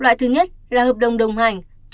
loại thứ nhất là hợp đồng đồng hành